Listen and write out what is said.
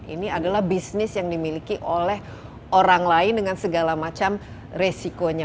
ini adalah bisnis yang dimiliki oleh orang lain dengan segala macam resikonya